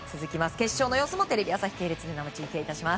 決勝の様子もテレビ朝日系列で生中継いたします。